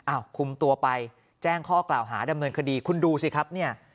คุมตัวไปแจ้งข้อกล่าวหาดำเนินคดีคุณดูสิครับเนี่ย